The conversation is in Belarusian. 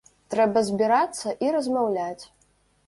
Трэба збірацца і размаўляць.